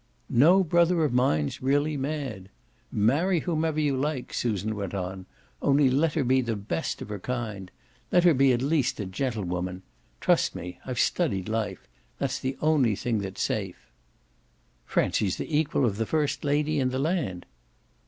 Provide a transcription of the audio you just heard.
"No brother of mine's really mad. Marry whomever you like," Susan went on; "only let her be the best of her kind. Let her be at least a gentlewoman. Trust me, I've studied life. That's the only thing that's safe." "Francie's the equal of the first lady in the land."